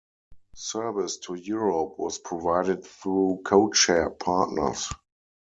Service to Europe was provided through codeshare partners.